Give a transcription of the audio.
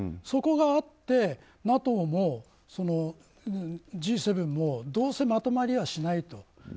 そこがあってＮＡＴＯもＧ７もどうせ、まとまりゃしないと。